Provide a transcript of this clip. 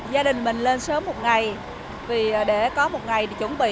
gia đình mình lên sớm một ngày vì để có một ngày thì chuẩn bị